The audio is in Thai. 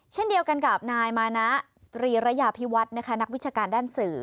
เช่นเดียวกันกับนายมานะตรีระยาพิวัฒน์นะคะนักวิชาการด้านสื่อ